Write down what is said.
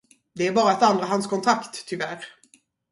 Det är bara ett andrahandskontrakt, tyvärr.